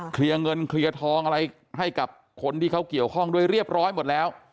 เคลียร์เงินเคลียร์ทองอะไรให้กับคนที่เขาเกี่ยวข้องด้วยเรียบร้อยหมดแล้ว